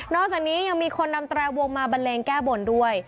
อกจากนี้ยังมีคนนำแตรวงมาบันเลงแก้บนด้วย